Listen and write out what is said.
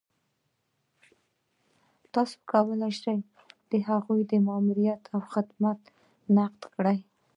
تاسو کولای شئ د هغې ماموريت او خدمات نقد کړئ.